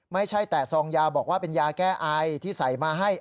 ไม่ใช่แต่ซองยาบอกว่าเป็นยาแก้ไอที่ใส่มาให้